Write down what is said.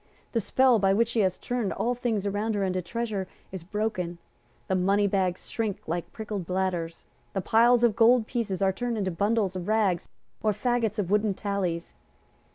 The spell by which she has turned all things around her into treasure is broken. The money bags shrink like pricked bladders. The piles of gold pieces are turned into bundles of rags or faggots of wooden tallies.